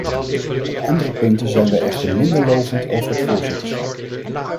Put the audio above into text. Op andere punten zijn wij echter minder lovend over het voorzitterschap.